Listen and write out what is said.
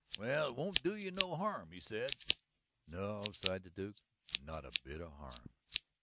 "Well, it won't do you no harm," he said. "No," sighed the Duke, "not a bit of harm."